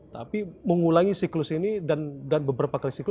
tapi mengulangi siklus ini dan beberapa kali siklus